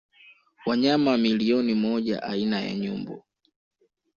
Wanyama milioni moja aina ya nyumbu